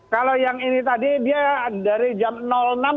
kalau yang ini tadi dia dari jam enam sampai dengan enam tiga puluh